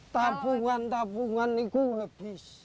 tabungan tabungan itu habis